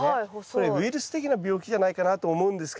これウイルス的な病気じゃないかなと思うんですけど。